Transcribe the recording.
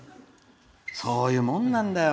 そういうもんなんだよ。